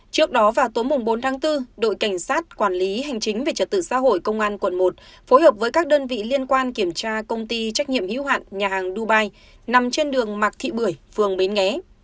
trước đó vào tối bốn tháng bốn đội cảnh sát quản lý hành chính về trật tự xã hội công an quận một phối hợp với các đơn vị liên quan kiểm tra công ty trách nhiệm hiếu hạn nhà hàng dubai nằm trên đường mạc thị bưởi phường bến nghé